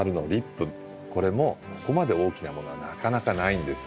これもここまで大きなものはなかなかないんです。